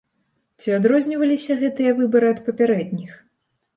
Ці адрозніваліся гэтыя выбары ад папярэдніх?